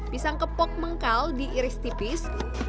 pisang kepok mengkal diiris tipis